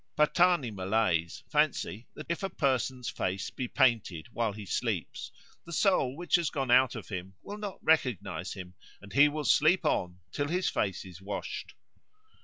Patani Malays fancy that if a person's face be painted while he sleeps, the soul which has gone out of him will not recognise him, and he will sleep on till his face is washed.